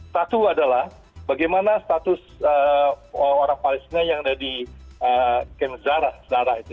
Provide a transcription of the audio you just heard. satu adalah bagaimana status orang palestina yang ada di kemzara